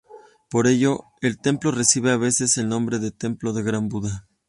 Por ello, el templo recibe a veces el nombre de "templo del gran Buda".